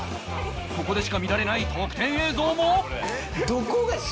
ここでしか見られない特典映像も！